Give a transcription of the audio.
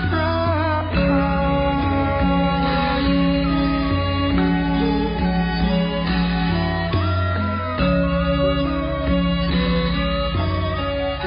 รักษัตริย์